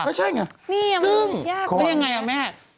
เฮ้อใช่ไงซึ่งที่ยังไงนะแม่